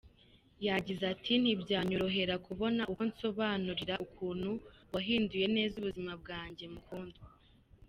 Yagize ati "Ntibyanyorohera kubona uko nsobanura ukuntu wahinduye neza ubuzima bwanjye Mukundwa.